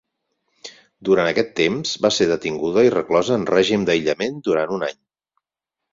Durant aquest temps, va ser detinguda i reclosa en règim d'aïllament durant un any.